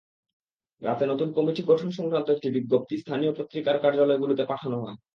রাতে নতুন কমিটি গঠনসংক্রান্ত একটি বিজ্ঞপ্তি স্থানীয় পত্রিকার কার্যালয়গুলোতে পাঠানো হয়।